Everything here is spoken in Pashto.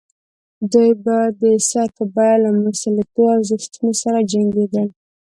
دوی به د سر په بیه له مسلطو ارزښتونو سره جنګېدل.